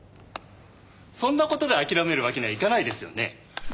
そんな事で諦めるわけにはいかないですよね。